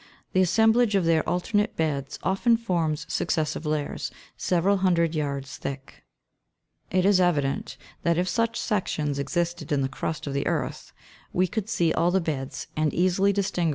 The assemblage of their alternate beds often forms successive layers, several hundred yards thick. 10. It is evident, that if such sections existed in the crust of the earth, we could see all the beds, and easily distinguish their rela 7.